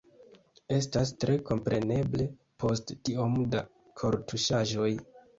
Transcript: Estas tre kompreneble, post tiom da kortuŝaĵoj.